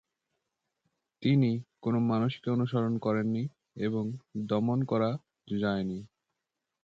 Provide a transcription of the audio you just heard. তিনি "কোন মানুষকে অনুসরণ করেননি" এবং "দমন করা যায়নি"।